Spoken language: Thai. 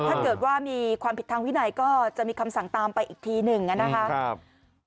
ถ้าเกิดว่ามีความผิดทางวินัยก็จะมีคำสั่งตามไปอีกทีหนึ่งนะครับ